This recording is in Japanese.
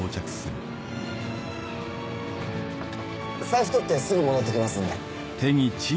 財布取ってすぐ戻って来ますんで。